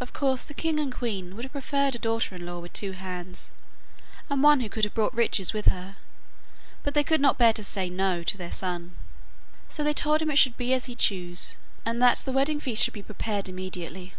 Of course the king and queen would have preferred a daughter in law with two hands, and one who could have brought riches with her, but they could not bear to say 'No' to their son, so they told him it should be as he chose, and that the wedding feast should be prepared immediately.